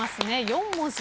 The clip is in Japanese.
４文字。